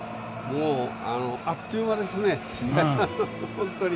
もうあっという間ですね。